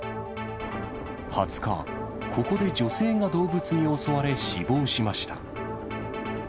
２０日、ここで女性が動物に襲われ死亡しました。